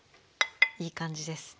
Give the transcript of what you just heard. いい感じです。